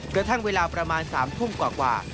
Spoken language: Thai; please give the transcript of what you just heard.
กระทั่งเวลาประมาณ๓ทุ่มกว่า